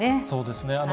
そうですね。